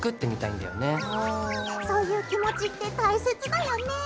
うんうんそういう気持ちって大切だよね。